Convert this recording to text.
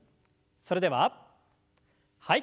それでははい。